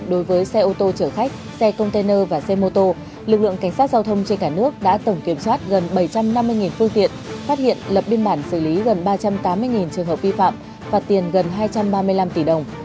đối với xe ô tô chở khách xe container và xe mô tô lực lượng cảnh sát giao thông trên cả nước đã tổng kiểm soát gần bảy trăm năm mươi phương tiện phát hiện lập biên bản xử lý gần ba trăm tám mươi trường hợp vi phạm phạt tiền gần hai trăm ba mươi năm tỷ đồng